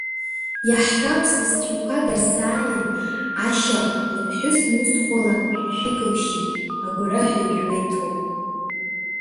Иаҳҳәап, сасцәақәак рзааин Ашьа лыԥҳәысмусхәала шәишәик лшьит, агәараҳәа ижәуа иҭоуп.